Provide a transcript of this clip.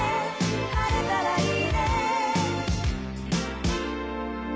「晴れたらいいね」